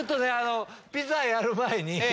ピザやる前に。